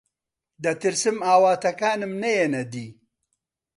دەترسم ئاواتەکانم نەیەنە دی.